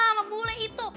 sama bule itu